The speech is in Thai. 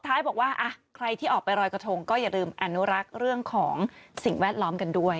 แต่ถ้าลอยกระทงก็อย่าลืมอนุรักษ์เรื่องของสิ่งแวดล้อมกันด้วย